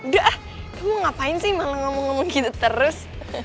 dah kamu ngapain sih malah ngomong ngomong gitu terus